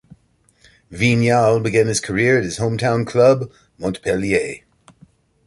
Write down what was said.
Vignal began his career at his home town club, Montpellier.